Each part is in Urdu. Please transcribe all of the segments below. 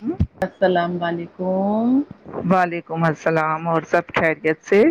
ہ السلام علیکم وعلیکم السلام اور سب خیریت سے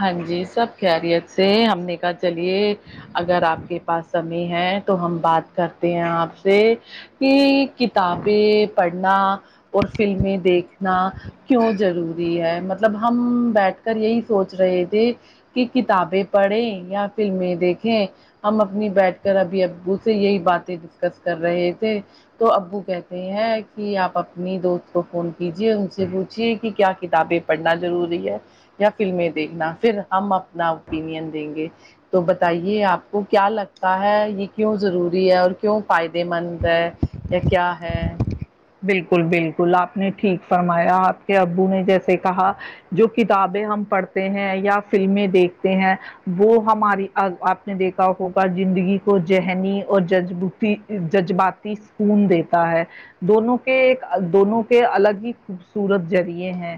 ہاں جی سب خیریت سے ہم نے کہا چلیے اگر آپ کے پاس س معی تو ہم بات کرتے ہیں آپ سے کہ کتابیں پڑھ نہ اور فلمیں دیکھنا کیوں ضروری ہے مطلب ہم بیٹھ کر یہی سوچ رہے تھے کہ کتابیں پڑھیں یا فلمیں دیکھیں ہم اپنی بیٹھ کر ابھی ابو سے یہی باتیں ڈسکس کر رہے تھے تو ابو کہتے ہیں کہ آپ اپنی دوست کو فون کیجیے ان سے پوچھیے کہ کیا کتابیں پڑھنا ضروری ہے یا فلمیں دیکھنا پھر ہم اپنا اوپینین دیں گے تو بتائیے آپ کو کیا لگتا ہے یہ کیوں ضروری ہے اور کیوں فائدے مند ہے یا کیا ہے بالکل بالکل آپ نے ٹھیک فرمایا آپ کے ابو نے جیسے کہا جو کتابیں ہم پڑھتے ہیں یا فلمیں دیکھتے ہیں وہ ہماری ا آپ نے دیکھا ہوگا زندگی کو ذہنی اور جذبوی جذباتی سکون دیتا ہے دونوں کے ایک دونوں کے الگ ہی خوبصورت ذریعے ہیں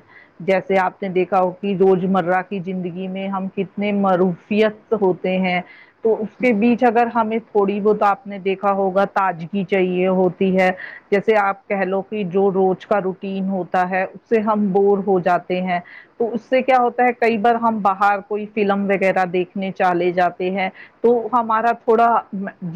جیسے آپ نے دیکھا ہو کہ روز مرہ کی زندگی میں ہم کتنے معروفیت ہوتے ہیں تو اس کے بیچ اگر ہم تھوڑی بہت آپ نے دیکھا ہوگا تجگی چاہیے ہوتی ہے جیسے آپ کہہ لو کہ جو روز کا روٹین ہوتا ہے اس سے ہم بور ہو جاتے ہیں تو اس سے کیا ہوتا ہے کئی بار ہم باہر کوئی فلم وغیرہ دیکھنے چالے جاتے ہیں تو ہمارا تھوڑا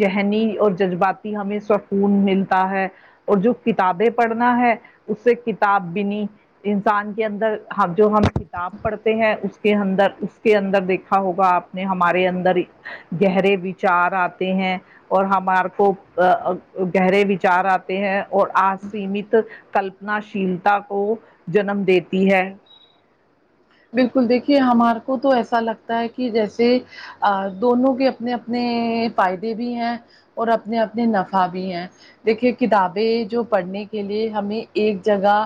ذہنی اور جذباتی ہمیں سکون ملتا ہے اور جو کتابیں پڑھنا ہے اس سے کتاب بنی انسان کے اندر ہم جو ہم کتاب پڑھتے ہیں اس کے اندر اس کے اندر دیکھا ہوگا آپ نے ہمارے اندر ہی گہرے وچار آتے ہیں اور ہمار کو ا گہرے وچار آتے ہیں اور آ سیمت کلپنا شیلتا کو جنم دیتی ہے بالکل دیکھیے ہمار کو تو ایسا لگتا ہے کہ جیسے ا دونوں کے اپنے اپنے فائدے بھی ہیں اور اپنے اپنے نفع بھی ہیں دیکھیے کتابیں جو پڑھنے کے لیے ہمیں ایک جگہ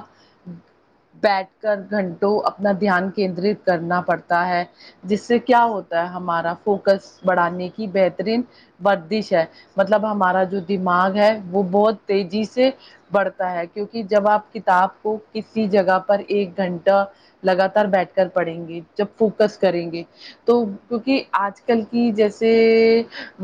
بیٹھ کر گھنٹوں اپنا دھیان کیندرت کرنا پڑتا ہے جس سے کیا ہوتا ہے ہمارا فوکس بڑھانے کی بہترین وردش ہے مطلب ہمارا جو دماغ ہے وہ بہت تیزی سے بڑھتا ہے کیونکہ جب آپ کتاب کو کسی جگہ پر ایک گھنٹا لگاتار بیٹھ کر پڑھیں گے جب فوکس کریں گے تو کیونکہ آج کل کی جیسے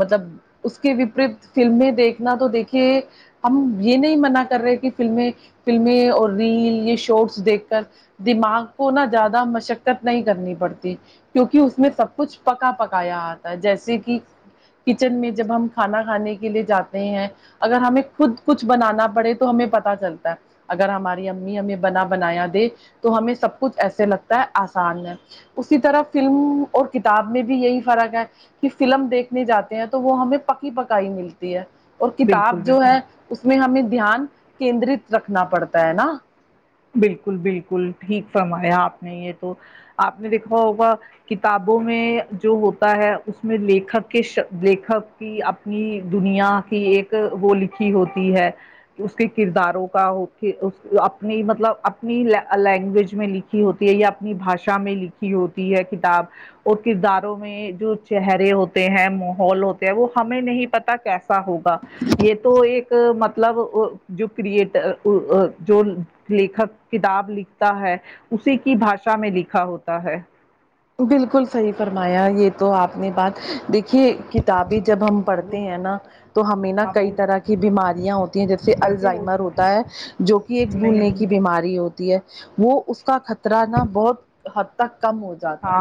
مطلب اس کے وپریت فلمیں دیکھنا تو دیکھیے ہم یہ نہیں منع کر رہے کہ فلمیں فلمیں اور ریل یہ شارٹس دیکھ کر دماغ کو نہ زیادہ مش شکت نہیں کرنی پڑتی کیونکہ اس میں سب کچھ پکا پکایا آتا جیسے کہ کچن میں جب ہم کھانا کھانے کے لیے جاتے ہیں اگر ہمیں خود کچھ بنانا پڑے تو ہمیں پتا چلتا ہے اگر ہماری امی ہمیں بنا بنایا دے تو ہمیں سب کچھ ایسے لگتا ہے آسان ہے اسی طرح فلم اور کتاب میں بھی یہی فرق ہے کی فلم دیکھنے جاتے ہیں تو وہ ہمیں پکی پکائی ملتی ہے اور بالکل کتاب جو بالکل ہے اس میں ہمیں دھیان کیندرت رکھنا پڑتا ہے نا بالکل بالکل ٹھیک فرمایا آپ نے یہ تو آپ نے دیکھا ہوگا کتابوں میں جو ہوتا ہے اس میں لکھک کے ش لکھک کی اپنی دنیا کی ایک وہ لکھی ہوتی ہے اس کے کرداروں کا اپنے مطلب مطلب اپنی لینگویج میں لکھی ہوتی ہے یا اپنی بھاشا میں لکھی ہوتی ہے کتاب اور کرداروں میں جو چہرے ہوتے ہیں ماحول ہوتے ہیں وہ ہمیں نہیں پتا کیسے ہوگا یہ تو ایک مطلب جو کریٹر جو لکھک کتاب لکھتا ہے اسی کی بھاشا میں لکھا ہوتا ہے بالکل صحیح فرمایا یہ تو آپ نے بات دیکھیے کتابیں جب ہم ہلو پڑھتے ہیں نا تو ہمیں نا ہاں کئی بول طرح کی بیماریاں ہوتی ہیں جیسے گھر پہ ہو الزائمر ہوتا ہے تمہارے جو کہ ایک نہیں بھولنے ابھی کی نہیں آئی بیماری ہوتی ہے وہ اس کا خطرہ نا بہت حد تک کم ہو جاتا ہے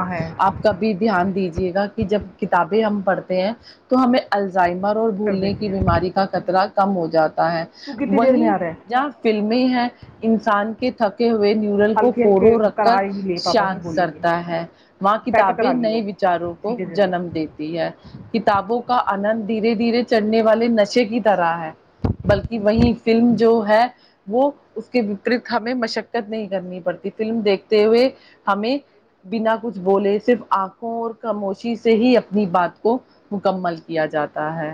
آپ کا بھی دھیان دیجیے گا کہ جب کتابیں ہم پڑھتے ہیں تو ہمیں الزائمر اور کر بھولنے کی دیتی ہیں بیماری کا ٹھیک ہے خطرہ کم ہو جاتا ہے تو کتنی دیر میں وہی آ رہا ہے جہاں فلمیں ہیں انسان کے تھکے ہوئے نیورل کو ہلکے ہلکے فورو رکھ کرا کر ہی لے پاپا کو شانت بولیں کر گے تا ہے وہا سیٹ کتابیں کرا لیو نئے وچاروں کو ٹھیک ہے جلدی جنم دیتی ہے کتابوں کا آنند دھیرے دھیرے چڑھنے والے نشے کی طرح ہے بلکہ وہی فلم جو ہے وہ اس کے وپریت ہمیں مشقت نہیں کرنی پڑتی فلم دیکھتے ہوئے ہمیں بنا کچھ بولے صرف آنکھوں اور خاموشی سے ہی اپنی بات کو مکمل کیا جاتا ہے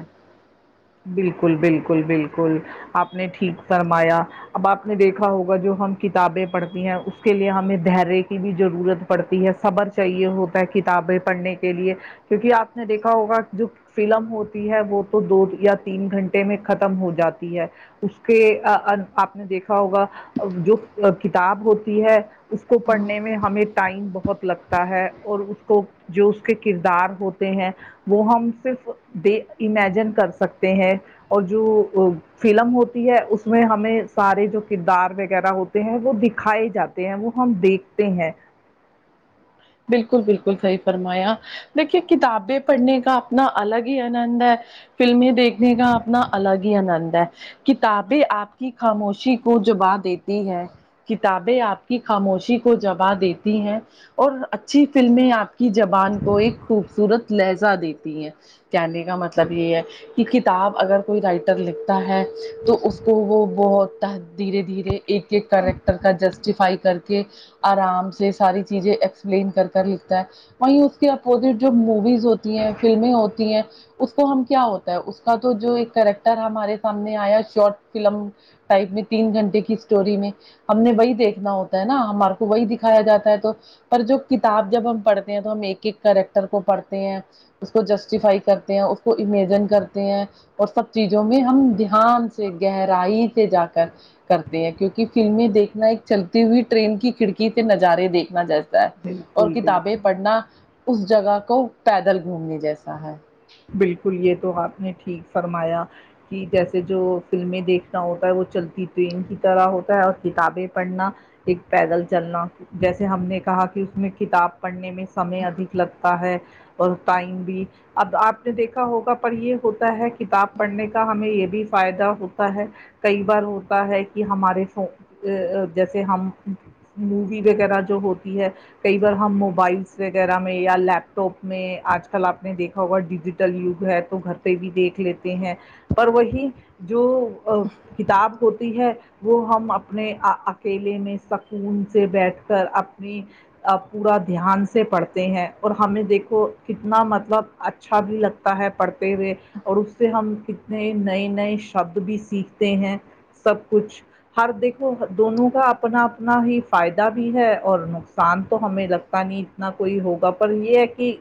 بالکل بالکل بالکل آپ نے ٹھیک فرمایا اب آپ نے دیکھا ہوگا جو ہم کتابیں پڑھتی ہیں اس کے لیے ہمیں دھیرے کی بھی ضرورت پڑتی ہے صبر چاہیے ہوتا ہے کتابیں پڑھنے کے لیے کیونکہ آپ نے دیکھا ہوگا جو فلم ہوتی ہے وہ تو دو یا تین گھنٹے میں ختم ہو جاتی ہے اس کے آپ نے دیکھا ہوگا جو کتاب ہوتی ہے اس کو پڑھنے میں ہمیں ٹائم بہت لگتا ہے اور اس کو جو اس کے کردار ہوتے ہیں وہ ہم صرفے دے امیجن کر سکتے ہیں اور جو فلم ہوتی ہے اس میں ہمیں سارے جو کردار وغیرہ ہوتے ہیں وہ دکھائے جاتے ہیں وہ ہم دیکھتے ہیں بالکل بالکل صحیح فرمایا دیکھیے کتابیں پڑھنے کا اپنا الگ ہی آنند ہے فلمیں دیکھنے کا اپنا الگ ہی آنند ہے کتابیں آپ کی خاموشی کو جبا دیتی ہے کتابیں آپ کی خاموشی کو جبا دیتی ہیں اور اچھی فلمیں آپ کی زبان کو ایک خوبصورت لہجہ دیتی ہیں کہنا کا مطلب یہ ہے کہ کتاب اگر کوئی رائٹر لکھتا ہے تو اس کو وہ بہت دھیرے دھیرے ایک ایک کریکٹر کا جسٹیفائی کر کے آرام سے ساری چیزیں ایکسپلین کر کر لکھتا ہے وہیں اس کے اپوزٹ جو موویز ہوتی ہیں فلمیں ہوتی ہیں اس کو ہم کیا ہوتا ہے اس کا تو جو ایک کیریکٹر ہمارے سامنے آیا شارٹ فلم ٹائپ میں تین گھنٹے کی اسٹوری میں ہم نے وہی دیکھنا ہوتا ہے نا ہمارے کو وہی دکھایا جاتا ہے تو پر جو کتاب جب ہم پڑھتے ہیں تو ہم ایک ایک کریکٹر کو پڑھتے ہیں اس کو جسٹیفائی کرتے ہیں اس کو امیجن کرتے ہیں اور سب چیزوں میں ہم دھیان سے گہرائی سے جا کر کرتے ہیں کیونکہ فلمیں دیکھنا ایک چلتی ہوئی ٹرین کی کھڑکی سے نظارے دیکھنا جیسا ہے اور بالکل بالکل کتابیں پڑھنا اس جگہ کو پیدل گھومنے جیسا ہے بالکل یہ تو آپ نے ٹھیک فرمایا کہ جیسے جو فلمیں دیکھنا ہوتا ہے وہ چلتی ٹرین کی طرح ہوتا ہے اور کتابیں پڑھنا ایک پیدل چلنا جیسے ہم نے کہا کہ اس میں کتاب پڑھنے میں سمے ادھک لگتا ہے اور ٹائم بھی اب آپ نے دیکھا ہوگا پر یہ ہوتا ہے کتاب پڑھنے کا ہمیں یہ بھی فائدہ ہوتا ہے کئی بار ہوتا ہے کہ ہمارےا جیسے ہم مووی وغیرہ جو ہوتی ہے کئی بار ہم موبائلس وغیرہ میں یا لیپ ٹاپ میں آج کل آپ نے دیکھا ہوگا ڈیجیٹ چگ ہے تو گھر پہ بھی دیکھ لیتے ہیں پر وہی جو ا کتاب ہوتی ہے وہ ہم اپنے اکیلے میں سکون سے بیٹھ کر اپنی پورا دھیان سے پڑھتے ہیں اور ہمیں دیکھو کتنا مطلب اچھا بھی لگتا تا ہے پڑھتے ہوئے اور اس سے ہم کتنے نئے نئے شبد بھی سیکھتے ہیں سب کچھ ہر دیکھو دونوں کا اپنا اپنا ہی فائدہ بھی ہے اور نقصان تو ہمیں لگتا نہیں نہ کوئی ہوگا پر یہ ہے کہ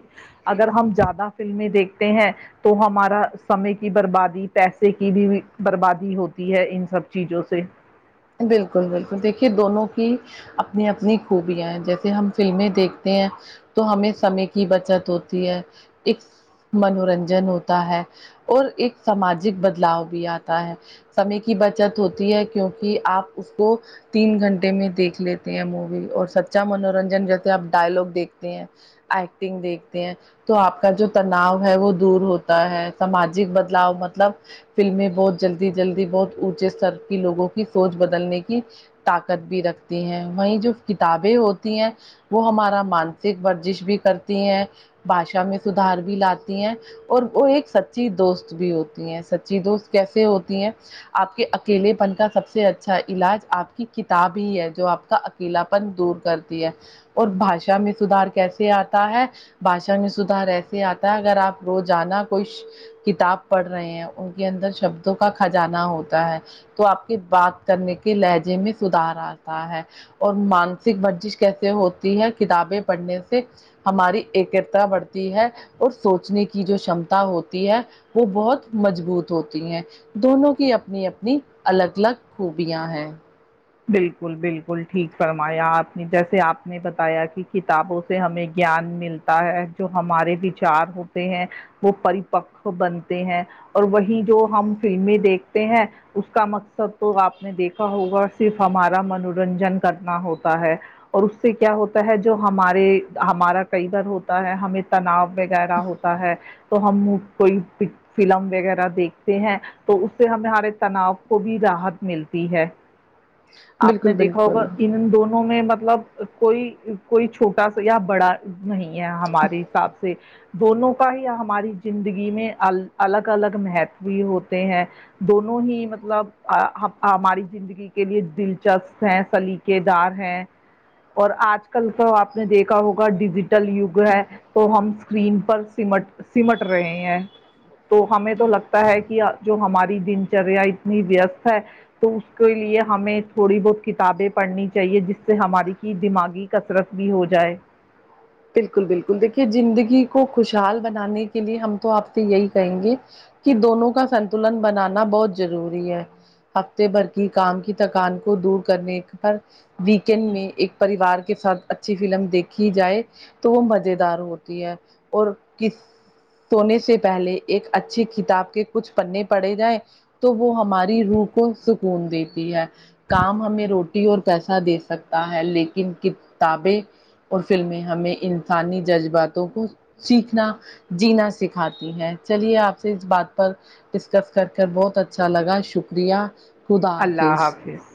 اگر ہم زیادہ فلمیں دیکھتے ہیں تو ہمارا سمے کی بربادی پیسے کی بھی بربادی ہوتی ہے ان سب چیزوں سے بالکل بالکل دیکھیے دونوں کی اپنی اپنی خوبیاں ہیں جیسے ہم فلمیں دیکھتے ہیں تو ہمیں سمے کی بچت ہوتی ہے ایک منورنجن ہوتا ہے اور ایک سماجک بدلاؤ بھی آتا ہے سمے کی بچت ہوتی ہے کیوںکہ کہ آپ اس کو تین گھنٹے میں دیکھ لیتے ہیں مووی اور سچا منورنجن جیسے آپ ڈائلگ دیکھتے ہیں ایکٹنگ دیکھتے ہیں تو آپ کا جو تناؤ ہے وہ دور ہوتا ہے سماجک بدلاؤ مطلب فلمیں بہت جلدی جلدی بہت اونچے ستر کی لوگوں کی سوچ بدلنے کی طاقت بھی رکھتی ہیں وہیں جو کتابیں ہوتی ہیں وہ ہمارا مانسک ورزش بھی کرتی ہیں بھاشا میں سدھار بھی لاتی ہیں اور وہ ایک سچی دوست بھی ہوتی ہیں سچی دوست کیسے ہوتی ہیں آپ کے اکیلے پن کا سب سے سے اچھا علاج آپ کی کتاب ہی ہے جو آپ کا اکیلاپن دور کرتی ہے اور بھاشا میں سدار کیسے آتا ہے بھشا میں سدار ایسے آتا ہے اگر آپ رو جانا کوئی کتاب پڑھ رہے ہیں ان کے اندر شبدوں کا خجانہ ہوتا ہے تو آپ کے بات کرنے کے لہجے میں سدار آتا ہے اور مانسک ورزش کیسے ہوتی ہے کتابیں پڑھنے سے ہماری ایکتا بڑھتی ہے اور سوچنے کی جو شمتا ہوتی ہے وہ بہت مجبوط ہوتی ہیں دونوں کی اپنی اپنی الگ الگ خوبیاں ہیں بالکل بالکل ٹھیک فرمایا آپ نے جیسے آپ نے بتایا کہ کتابوں سے ہمیں گیان ملتا جو ہمارے وچار ہوتے ہیں وہ پریپک بنتے ہیں اور وہی جو ہم فلمیں دیکھتے ہیں اس کا مقصد تو آپ نے دیکھا ہوگا صرف ہمارا منورنجن کرنا ہوتا ہے اور اس سے کیا ہوتا ہے جو ہمارے ہمارا کئی بار ہوتا ہے ہمیں تناؤ وغیرہ ہوتا ہے تو ہم کوئی فلم وغیرہ دیکھتے ہیں تو اس سے ہمیں ہمارے تناؤ کو بھی راحت ملتی ہے آپ نے بالکل دیکھا ہوگا بالکل ان دونوں میں مطلب کوئی کوئی چھوٹا سا یا بڑا نہیں ہے ہمارے حساب سے دونوں ہی ہماری زندگی میں الگ الگ مہتو بھی ہوتے ہیں دونوں ہی مطلب ہماری زندگی کے لیے دلچسپ ہیں سلیقے دار ہیں اور آج کل تو آپ نے دیکھا ہوگا ڈیجیٹل یوگ ہے تو ہم اسکرین پر سمٹ سمٹ رہے ہیں تو ہمیں تو لگتا ہے کہ جو ہماری دنچریا اتنی ویست ہے تو اس کے لیے ہمیں تھوڑی بہت کتابیں پڑھنی چاہیے جس سے ہماری کی دماغی کثرت بھی ہو جائے بالکل بالکل دیکھیے زندگی کو خوشحال بنانے کے لیے ہم تو آپ سے یہی کہیں گے کہ دونوں کا سنتلن بنانا بہت ضروری ہے ہفتے بھر کی کام کی تھکان کو دور کرنے پر ویکینڈ میں ایک پریوار کے ساتھ اچھی فلم دیکھی جائے تو وہ مز دار ہوتی ہے اور کس سونے سے پہلے ایک اچھی کتاب کے کچھ پنے پڑے جائیں تو وہ ہماری روح کو سکون دیتی ہے کام ہمیں روٹی اور پیسہ دے سکتا ہے لیکن کتابیں اور فلمیں ہمیں انسانی جذباتوں کو سیکھنا جینا سکھاتی ہیں چلیے آپ سے اس بات پر ڈسکس کر کر بہت اچھا لگا شکریہ اللہ حافظ